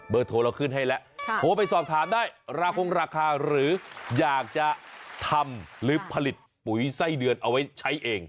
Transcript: โทรเราขึ้นให้แล้วโทรไปสอบถามได้ราคงราคาหรืออยากจะทำหรือผลิตปุ๋ยไส้เดือนเอาไว้ใช้เอง